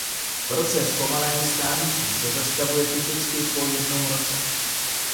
Proces pomalého stárnutí se zastavuje typicky po jednom roce.